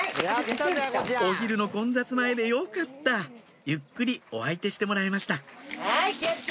お昼の混雑前でよかったゆっくりお相手してもらえました